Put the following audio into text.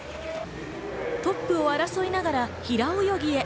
トップを争いながら平泳ぎへ。